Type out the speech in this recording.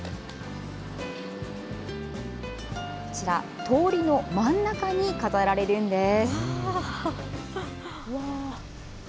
こちら、通りの真ん中に飾られるんです。